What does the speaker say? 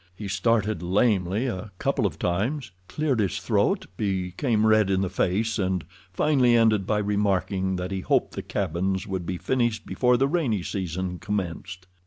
He started lamely a couple of times, cleared his throat, became red in the face, and finally ended by remarking that he hoped the cabins would be finished before the rainy season commenced.